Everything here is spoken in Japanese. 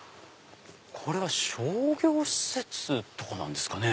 これは商業施設とかなんですかね。